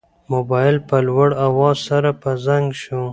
موبایل په لوړ اواز سره په زنګ شو.